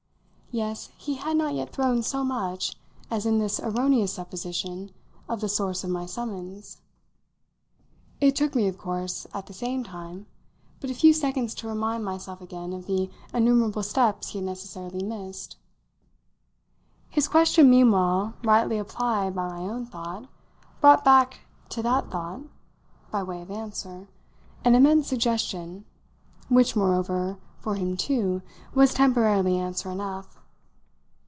Yes, he had not yet thrown so much as in this erroneous supposition of the source of my summons. It took me of course, at the same time, but a few seconds to remind myself again of the innumerable steps he had necessarily missed. His question meanwhile, rightly applied by my own thought, brought back to that thought, by way of answer, an immense suggestion, which moreover, for him too, was temporarily answer enough.